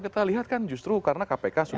kita lihat kan justru karena kpk sudah